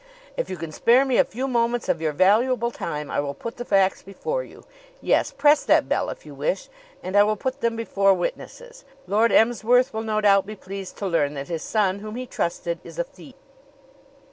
"If you can spare me a few moments of your valuable time I will put the facts before you. Yes; press that bell if you wish and I will put them before witnesses. Lord Emsworth will no doubt be pleased to learn that his son, whom he trusted, is a thief!"